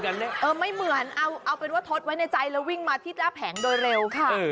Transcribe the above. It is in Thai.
เออไม่เหมือนเอาเป็นว่าทดไว้ในใจแล้ววิ่งมาที่หน้าแผงโดยเร็วค่ะ